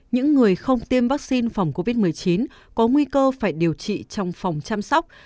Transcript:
những người không tiêm vaccine phòng covid một mươi chín có nguy cơ phải điều trị trong phòng chăm sóc